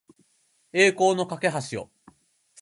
栄光の架橋を